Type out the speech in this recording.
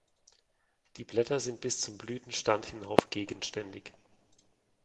Die Blätter sind bis zum Blütenstand hinauf gegenständig.